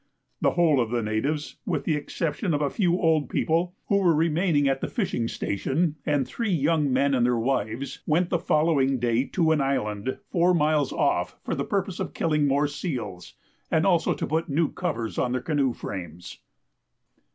The whole of the natives, with the exception of a few old people who were remaining at the fishing station, and three young men and their wives, went the following day to an island four miles off for the purpose of killing more seals, and also to put new covers on their canoe frames.